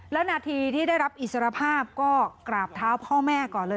แล้วนาทีที่ได้รับอิสรภาพก็กราบเท้าพ่อแม่ก่อนเลย